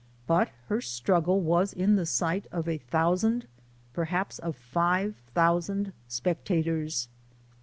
^ But her struggle was in the sight of a thousand, perhaps of five thousand spectators.